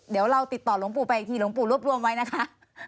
เดี๋ยวเราติดต่อหลวงปู่ไปอีกทีหลวงปู่รวบรวมไว้นะคะ